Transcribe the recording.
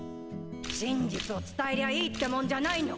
真実を伝えりゃいいってもんじゃないの。